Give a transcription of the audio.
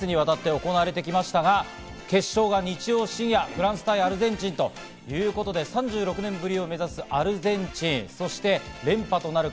およそ１か月にわたって行われてきましたが、決勝が日曜深夜、フランス対アルゼンチンということで、３６年ぶりを目指すアルゼンチン、そして連覇となるか？